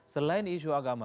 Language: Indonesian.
selain isu agama